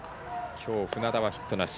きょう、船田はヒットなし。